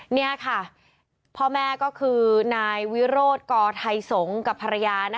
นี่ค่ะพ่อแม่ก็คือนายวิโรธกไทยสงฆ์กับภรรยา